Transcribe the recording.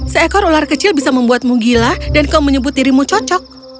seekor ular kecil bisa membuatmu gila dan kau menyebut dirimu cocok